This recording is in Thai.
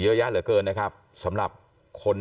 ก็จะเป็นจุดหมาย